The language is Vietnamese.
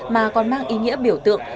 mà còn mang ý nghĩa biểu tượng